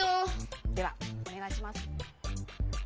ではおねがいします。